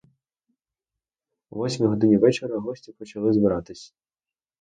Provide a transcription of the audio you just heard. О восьмій годині вечора гості почали збиратися.